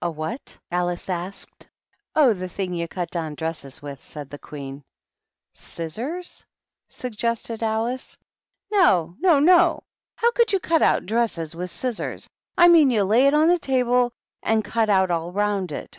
"A what?" Alice asked. "Oh, the thing you cut out dresses with," said the Queen. a a 136 THE RED QUEEN AND THE DUCHESS. "Scissors?" suggested Alice. "No, no, no! how could you cut out dresses with scissors? I mean you lay it on the table and cut out all round it."